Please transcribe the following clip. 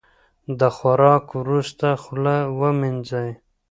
د خوراک وروسته خوله ومینځئ.